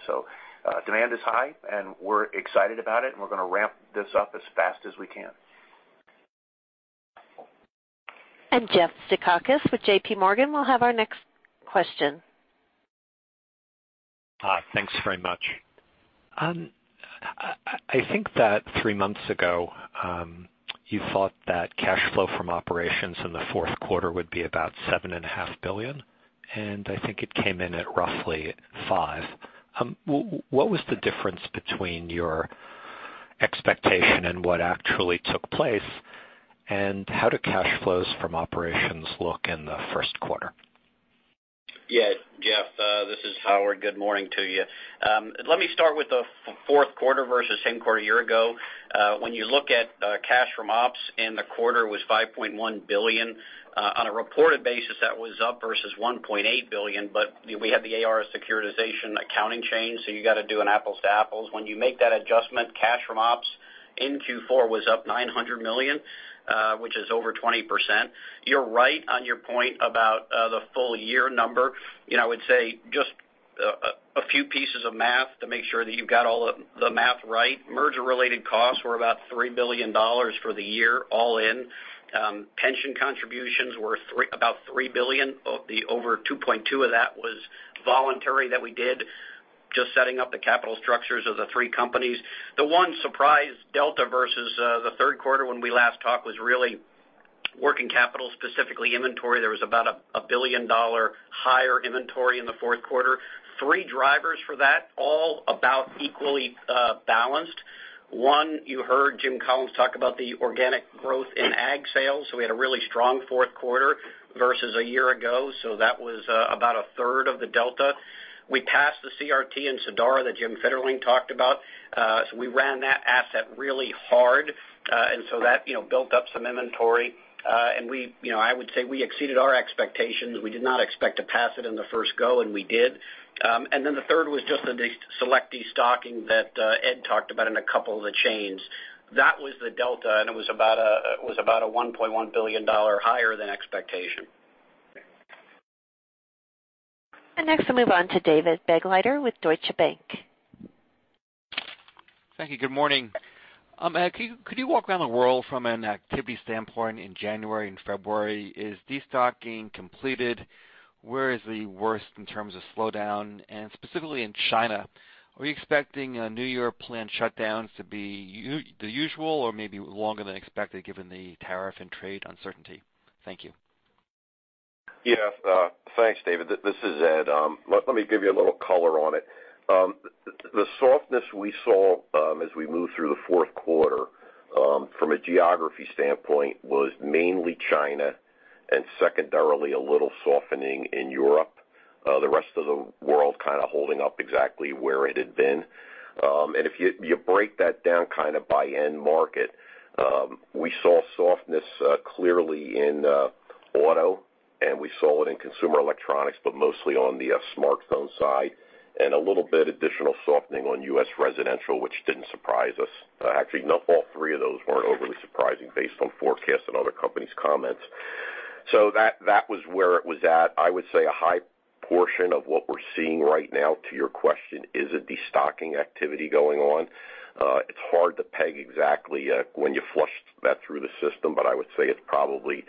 Demand is high, and we're excited about it, and we're going to ramp this up as fast as we can. Jeff Zekauskas with JPMorgan will have our next question. Thanks very much. I think that three months ago you thought that cash flow from operations in the fourth quarter would be about $7.5 billion, and I think it came in at roughly $5 billion. What was the difference between your expectation and what actually took place? How do cash flows from operations look in the first quarter? Yeah, Jeff, this is Howard. Good morning to you. Let me start with the fourth quarter versus same quarter a year ago. When you look at cash from ops in the quarter was $5.1 billion. On a reported basis, that was up versus $1.8 billion. We had the AR securitization accounting change, so you got to do an apples to apples. When you make that adjustment, cash from ops in Q4 was up $900 million, which is over 20%. You're right on your point about the full-year number. I would say just a few pieces of math to make sure that you've got all the math right. Merger-related costs were about $3 billion for the year, all in. Pension contributions were about $3 billion. Over $2.2 billion of that was voluntary that we did just setting up the capital structures of the three companies. The one surprise delta versus the third quarter when we last talked was really working capital, specifically inventory. There was about $1 billion higher inventory in the fourth quarter. Three drivers for that, all about equally balanced. One, you heard Jim Collins talk about the organic growth in Ag sales. We had a really strong fourth quarter versus a year ago. That was about 1/3 of the delta. We passed the CRT in Sadara that Jim Fitterling talked about. We ran that asset really hard, and so that built up some inventory. I would say we exceeded our expectations. We did not expect to pass it in the first go, and we did. The third was just the select destocking that Ed talked about in a couple of the chains. That was the delta, and it was about a $1.1 billion higher than expectation. Next, we'll move on to David Begleiter with Deutsche Bank. Thank you. Good morning. Could you walk around the world from an activity standpoint in January and February? Is destocking completed? Where is the worst in terms of slowdown? And specifically in China, are you expecting New Year planned shutdowns to be the usual or maybe longer than expected given the tariff and trade uncertainty? Thank you. Yeah. Thanks, David. This is Ed. Let me give you a little color on it. The softness we saw as we moved through the fourth quarter from a geography standpoint was mainly China and secondarily a little softening in Europe. The rest of the world kind of holding up exactly where it had been. If you break that down kind of by end market, we saw softness clearly in Auto, we saw it in consumer electronics, but mostly on the smartphone side, and a little bit additional softening on U.S. residential, which didn't surprise us. Actually, all three of those weren't overly surprising based on forecasts and other companies' comments. That was where it was at. I would say a high portion of what we're seeing right now, to your question, is a destocking activity going on. It's hard to peg exactly when you flush that through the system, but I would say it's probably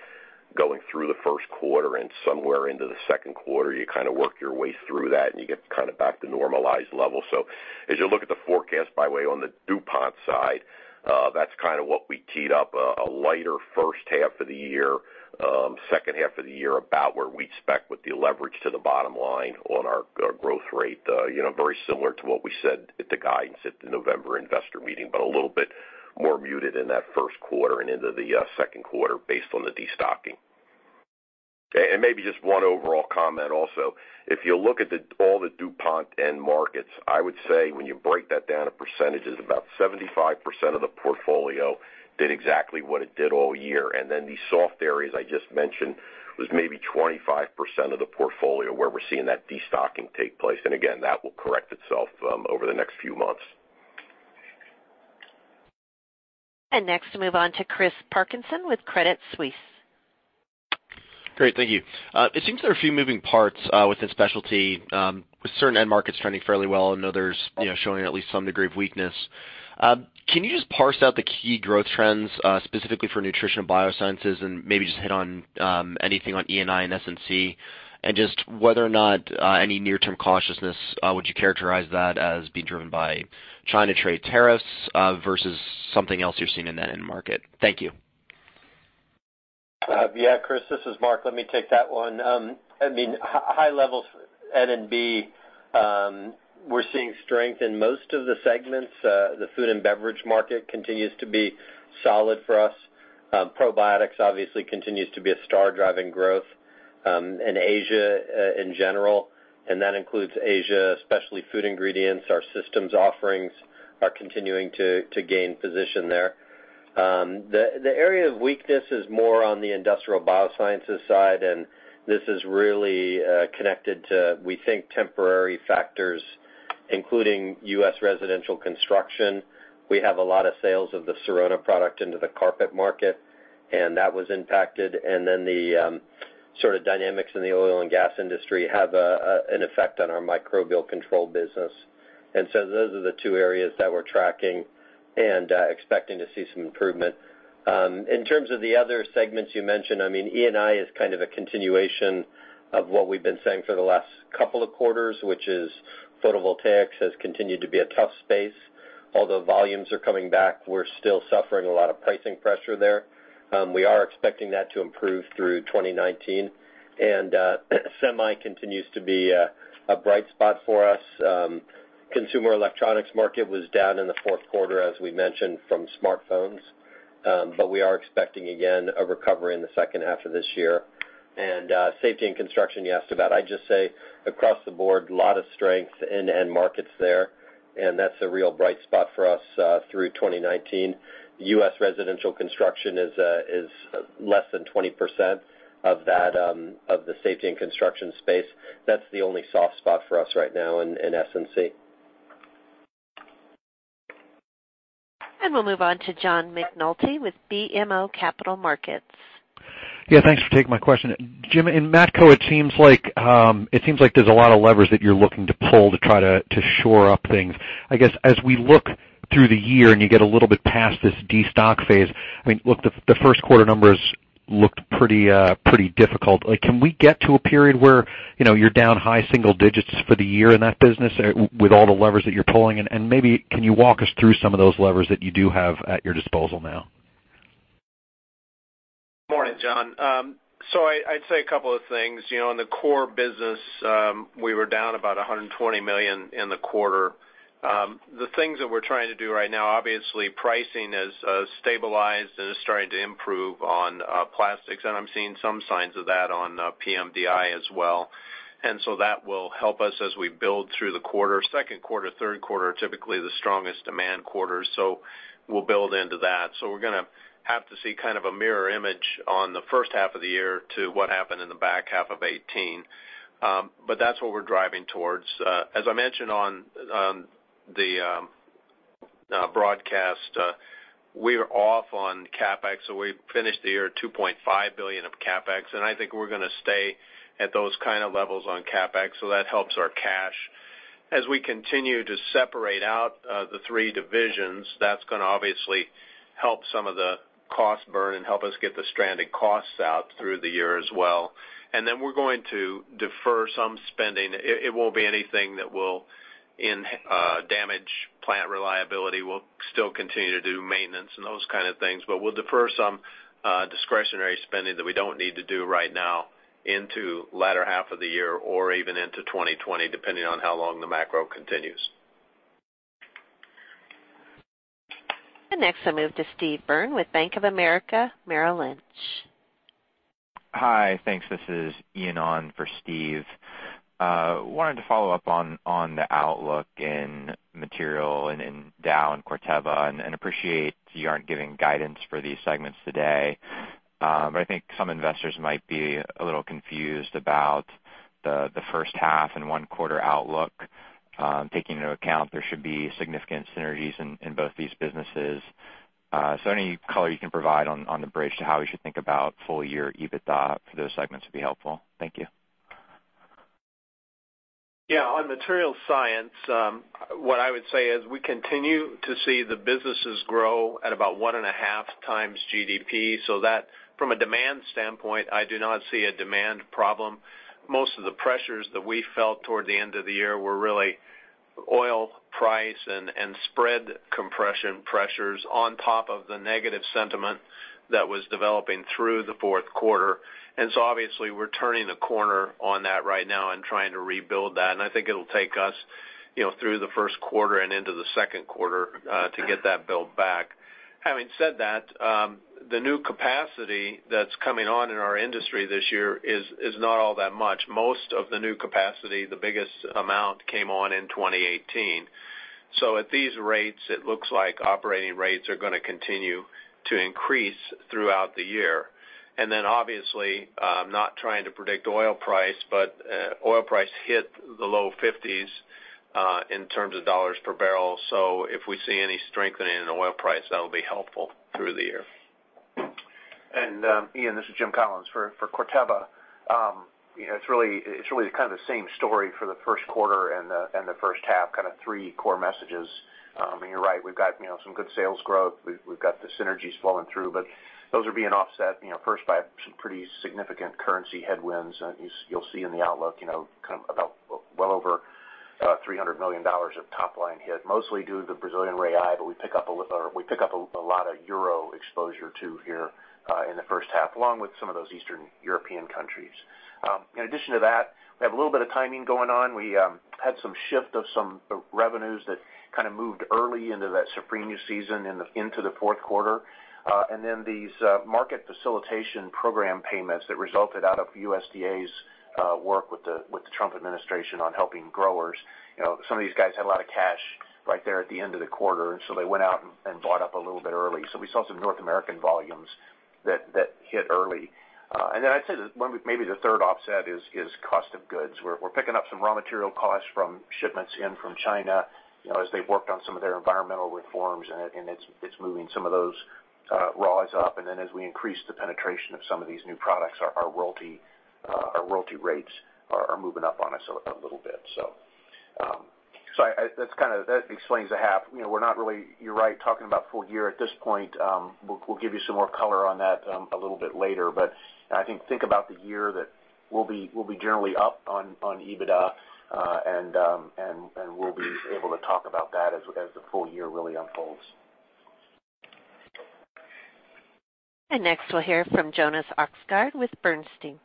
going through the first quarter and somewhere into the second quarter. You work your way through that, and you get back to normalized levels. As you look at the forecast, by the way, on the DuPont side, that's what we keyed up, a lighter first half of the year. Second half of the year, about where we expect with the leverage to the bottom line on our growth rate. Very similar to what we said at the guidance at the November investor meeting, but a little bit more muted in that first quarter and into the second quarter based on the destocking. Maybe just one overall comment also. If you look at all the DuPont end markets, I would say when you break that down to percentages, about 75% of the portfolio did exactly what it did all year. Then the soft areas I just mentioned was maybe 25% of the portfolio where we're seeing that destocking take place. Again, that will correct itself over the next few months. Next, move on to Chris Parkinson with Credit Suisse. Great, thank you. It seems there are a few moving parts within specialty, with certain end markets trending fairly well and others showing at least some degree of weakness. Can you just parse out the key growth trends, specifically for Nutrition & Biosciences and maybe just hit on anything on E&I and S&C? Just whether or not any near-term cautiousness, would you characterize that as being driven by China trade tariffs versus something else you're seeing in that end market? Thank you. Yeah, Chris, this is Marc. Let me take that one. High levels, N&B, we're seeing strength in most of the segments. The food and beverage market continues to be solid for us. Probiotics obviously continues to be a star driving growth in Asia in general, that includes Asia, especially food ingredients. Our systems offerings are continuing to gain position there. The area of weakness is more on the industrial biosciences side, and this is really connected to, we think, temporary factors, including U.S. residential construction. We have a lot of sales of the Sorona product into the carpet market, that was impacted. The sort of dynamics in the oil and gas industry have an effect on our microbial control business. Those are the two areas that we're tracking and expecting to see some improvement. In terms of the other segments you mentioned, E&I is kind of a continuation of what we've been saying for the last couple of quarters, which is photovoltaics has continued to be a tough space. Although volumes are coming back, we're still suffering a lot of pricing pressure there. We are expecting that to improve through 2019. Semi continues to be a bright spot for us. Consumer electronics market was down in the fourth quarter, as we mentioned, from smartphones. We are expecting, again, a recovery in the second half of this year. Safety and construction, you asked about. I'd just say across the board, a lot of strength in end markets there, and that's a real bright spot for us through 2019. U.S. residential construction is less than 20% of the safety and construction space. That's the only soft spot for us right now in S&C. We'll move on to John McNulty with BMO Capital Markets. Yeah, thanks for taking my question. Jim, in MatCo, it seems like there's a lot of levers that you're looking to pull to try to shore up things. I guess, as we look through the year and you get a little bit past this destock phase, the first quarter numbers looked pretty difficult. Can we get to a period where you're down high single digits for the year in that business with all the levers that you're pulling? Maybe can you walk us through some of those levers that you do have at your disposal now? Morning, John. I'd say a couple of things. In the core business, we were down about $120 million in the quarter. The things that we're trying to do right now, obviously, pricing has stabilized and is starting to improve on plastics, and I'm seeing some signs of that on PMDI as well. That will help us as we build through the quarter. Second quarter, third quarter are typically the strongest demand quarters, we'll build into that. We're going to have to see kind of a mirror image on the first half of the year to what happened in the back half of 2018. That's what we're driving towards. As I mentioned on the broadcast, we are off on CapEx, so we finished the year $2.5 billion of CapEx, and I think we're going to stay at those kind of levels on CapEx, so that helps our cash. As we continue to separate out the three divisions, that's going to obviously help some of the cost burn and help us get the stranded costs out through the year as well. We're going to defer some spending. It won't be anything that will damage plant reliability. We'll still continue to do maintenance and those kind of things, but we'll defer some discretionary spending that we don't need to do right now into latter half of the year or even into 2020, depending on how long the macro continues. Next, I'll move to Steve Byrne with Bank of America Merrill Lynch. Hi, thanks. This is Ian on for Steve. Wanted to follow up on the outlook in Material and in Dow and Corteva. Appreciate you aren't giving guidance for these segments today. I think some investors might be a little confused about the first half and one quarter outlook, taking into account there should be significant synergies in both these businesses. Any color you can provide on the bridge to how we should think about full-year EBITDA for those segments would be helpful. Thank you. Yeah. On Material Science, what I would say is we continue to see the businesses grow at about 1.5x GDP, so that from a demand standpoint, I do not see a demand problem. Most of the pressures that we felt toward the end of the year were really oil price and spread compression pressures on top of the negative sentiment that was developing through the fourth quarter. Obviously, we're turning a corner on that right now and trying to rebuild that, and I think it'll take us through the first quarter and into the second quarter to get that built back. Having said that, the new capacity that's coming on in our industry this year is not all that much. Most of the new capacity, the biggest amount came on in 2018. At these rates, it looks like operating rates are going to continue to increase throughout the year. Obviously, not trying to predict oil price, but oil price hit the low 50s in terms of dollars per barrel. If we see any strengthening in the oil price, that'll be helpful through the year. Ian, this is Jim Collins. For Corteva, it's really the kind of same story for the first quarter and the first half, kind of three core messages. You're right, we've got some good sales growth. We've got the synergies flowing through, but those are being offset first by some pretty significant currency headwinds. You'll see in the outlook, well over $300 million of top line hit, mostly due to the Brazilian real, but we pick up a lot of EUR exposure too here in the first half, along with some of those Eastern European countries. In addition to that, we have a little bit of timing going on. We had some shift of some revenues that kind of moved early into that safrinha season into the fourth quarter. These market facilitation program payments that resulted out of USDA's work with the Trump administration on helping growers. Some of these guys had a lot of cash right there at the end of the quarter, they went out and bought up a little bit early. We saw some North American volumes that hit early. I'd say that maybe the third offset is cost of goods, where we're picking up some raw material costs from shipments in from China as they've worked on some of their environmental reforms, and it's moving some of those raws up. As we increase the penetration of some of these new products, our royalty rates are moving up on us a little bit. That explains the half. We're not really, you're right, talking about full-year at this point. We'll give you some more color on that a little bit later. I think about the year that we'll be generally up on EBITDA, and we'll be able to talk about that as the full-year really unfolds. Next, we'll hear from Jonas Oxgaard with Bernstein.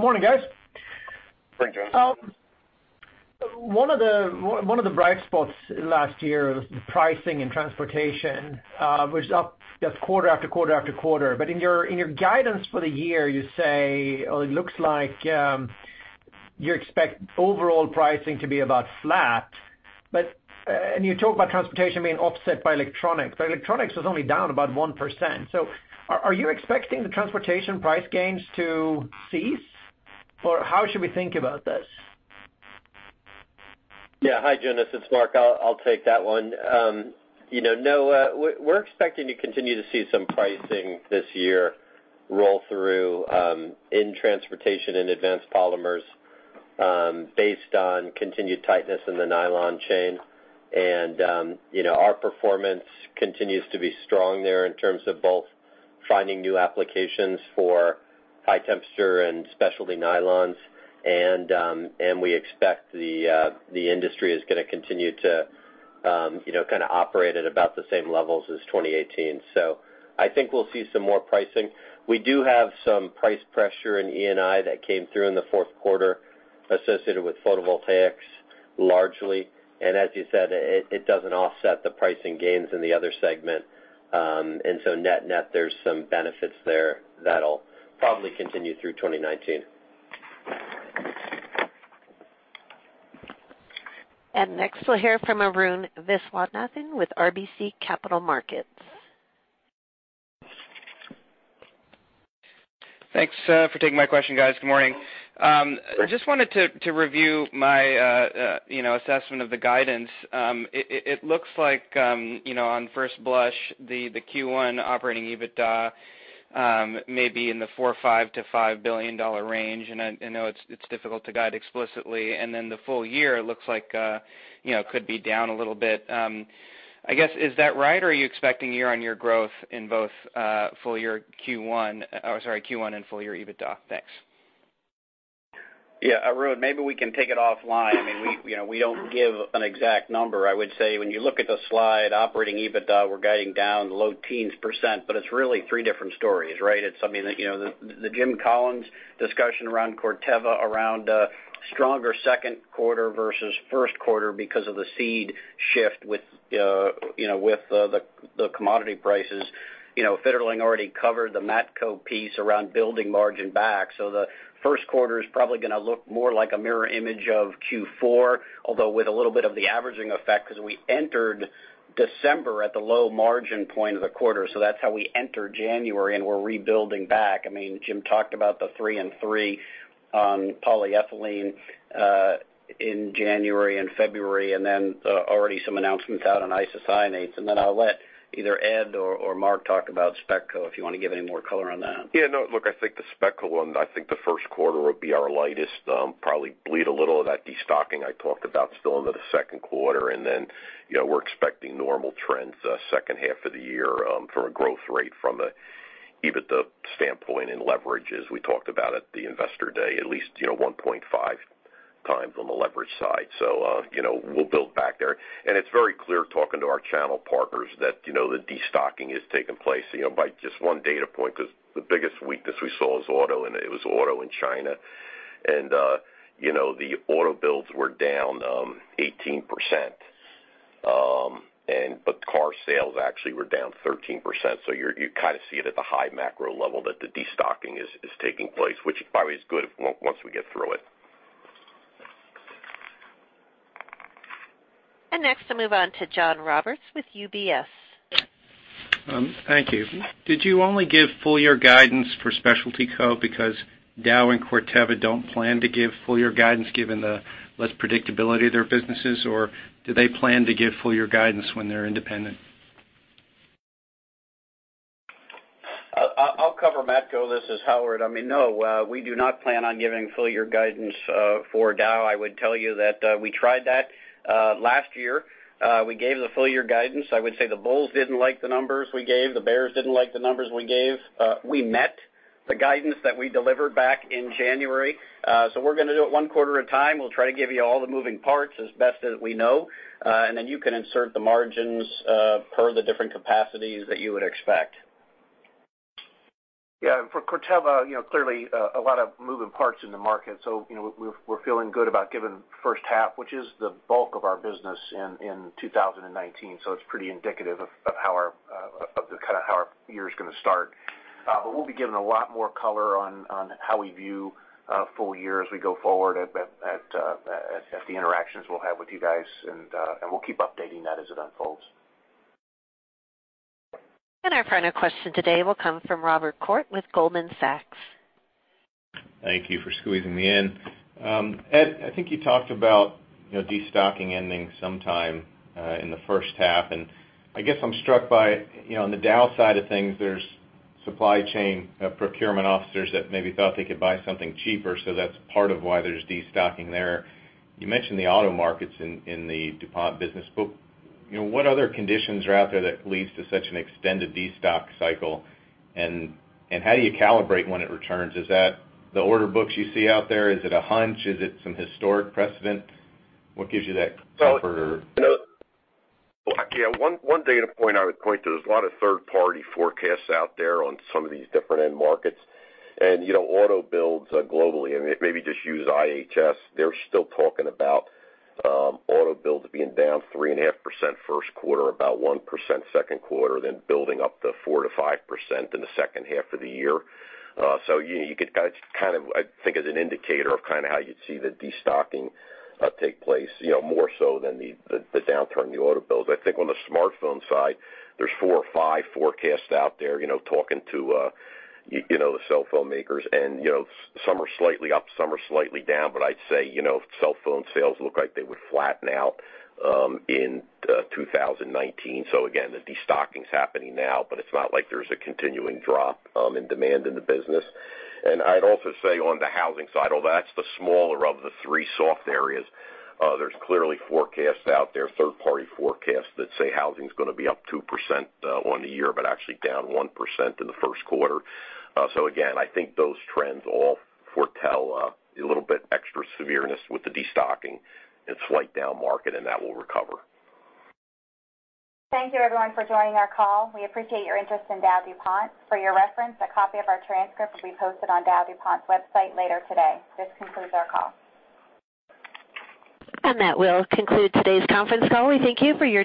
Morning, guys. Thanks, Jonas. One of the bright spots last year was the pricing in transportation, was up just quarter, after quarter, after quarter. In your guidance for the year, you say it looks like you expect overall pricing to be about flat, and you talk about transportation being offset by electronics was only down about 1%. Are you expecting the transportation price gains to cease, or how should we think about this? Hi, Jonas, it's Marc. I'll take that one. We're expecting to continue to see some pricing this year roll through in transportation and advanced polymers based on continued tightness in the nylon chain. Our performance continues to be strong there in terms of both finding new applications for high temperature and specialty nylons, and we expect the industry is going to continue to kind of operate at about the same levels as 2018. I think we'll see some more pricing. We do have some price pressure in E&I that came through in the fourth quarter associated with photovoltaics largely. As you said, it doesn't offset the pricing gains in the other segment. Net-net, there's some benefits there that'll probably continue through 2019. Next, we'll hear from Arun Viswanathan with RBC Capital Markets. Thanks for taking my question, guys. Good morning. Just wanted to review my assessment of the guidance. It looks like on first blush, the Q1 operating EBITDA may be in the $4.5 billion-$5 billion range, and I know it's difficult to guide explicitly, and then the full-year looks like could be down a little bit. Is that right, or are you expecting year-over-year growth in both Q1 and full-year EBITDA? Thanks. Arun, maybe we can take it offline. We don't give an exact number. I would say when you look at the slide operating EBITDA, we're guiding down low teens percent, but it's really three different stories, right? It's something that the Jim Collins discussion around Corteva around a stronger second quarter versus first quarter because of the seed shift with the commodity prices. Fitterling already covered the MatCo piece around building margin back. The first quarter is probably going to look more like a mirror image of Q4, although with a little bit of the averaging effect because we entered December at the low margin point of the quarter. That's how we enter January, and we're rebuilding back. Jim talked about the three on three on polyethylene, in January and February, already some announcements out on isocyanates. I'll let either Ed or Marc talk about SpecCo if you want to give any more color on that. Yeah, no. Look, I think the SpecCo one, I think the first quarter will be our lightest. Probably bleed a little of that destocking I talked about still into the second quarter. We're expecting normal trends the second half of the year from a growth rate from the EBITDA standpoint and leverages. We talked about at the investor day at least 1.5x on the leverage side. We'll build back there. It's very clear talking to our channel partners that the destocking is taking place by just one data point because the biggest weakness we saw was auto, and it was auto in China. The auto builds were down 18%, but car sales actually were down 13%. You kind of see it at the high macro level that the destocking is taking place, which probably is good once we get through it. Next I'll move on to John Roberts with UBS. Thank you. Did you only give full-year guidance for SpecCo because Dow and Corteva don't plan to give full-year guidance given the less predictability of their businesses, or do they plan to give full-year guidance when they're independent? I'll cover MatCo. This is Howard. No, we do not plan on giving full-year guidance for Dow. I would tell you that we tried that last year. We gave the full-year guidance. I would say the bulls didn't like the numbers we gave. The bears didn't like the numbers we gave. We met the guidance that we delivered back in January. We're going to do it one quarter at a time. We'll try to give you all the moving parts as best as we know, you can insert the margins per the different capacities that you would expect. Yeah. For Corteva, clearly a lot of moving parts in the market. We're feeling good about giving first half, which is the bulk of our business in 2019. It's pretty indicative of how our year is going to start. We'll be giving a lot more color on how we view full-year as we go forward at the interactions we'll have with you guys, we'll keep updating that as it unfolds. Our final question today will come from Robert Koort with Goldman Sachs. Thank you for squeezing me in. Ed, I think you talked about destocking ending sometime in the first half, I guess I'm struck by on the Dow side of things, there's supply chain procurement officers that maybe thought they could buy something cheaper, that's part of why there's destocking there. You mentioned the auto markets in the DuPont business, what other conditions are out there that leads to such an extended destock cycle? How do you calibrate when it returns? Is that the order books you see out there? Is it a hunch? Is it some historic precedent? What gives you that comfort or- Yeah, one data point I would point to, there's a lot of third-party forecasts out there on some of these different end markets. Auto builds globally, and maybe just use IHS, they're still talking about auto builds being down 3.5% first quarter, about 1% second quarter, building up to 4%-5% in the second half of the year. You could kind of think as an indicator of how you'd see the destocking take place more so than the downturn in the auto builds. I think on the smartphone side, there's four or five forecasts out there talking to the cell phone makers, and some are slightly up, some are slightly down. I'd say cellphone sales look like they would flatten out in 2019. Again, the destocking's happening now, but it's not like there's a continuing drop in demand in the business. I'd also say on the housing side, although that's the smaller of the three soft areas, there's clearly forecasts out there, third-party forecasts that say housing's going to be up 2% on the year, but actually down 1% in the first quarter. Again, I think those trends all foretell a little bit extra severeness with the destocking and slight down market, and that will recover. Thank you everyone for joining our call. We appreciate your interest in DowDuPont. For your reference, a copy of our transcript will be posted on DowDuPont's website later today. This concludes our call. That will conclude today's conference call. We thank you for your time.